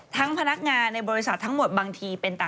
ทั้งพนักงานในบริษัททั้งหมดบางทีเป็นต่างชาติ